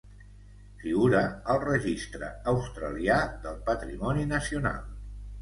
Figura al registre australià del patrimoni nacional.